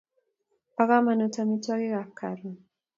po kamanut amitwogikap karon